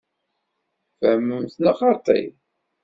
Tfehmemt neɣ xaṭi?